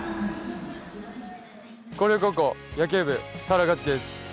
広陵高校野球部田原和樹です。